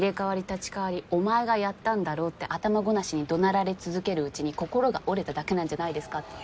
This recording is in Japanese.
立ち代わりお前がやったんだろって頭ごなしにどなられ続けるうちに心が折れただけなんじゃないですかって。